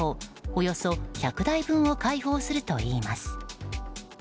およそ１００台分を開放するといいます。